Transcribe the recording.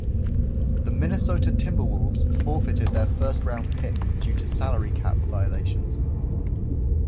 The Minnesota Timberwolves forfeited their first-round pick due to salary cap violations.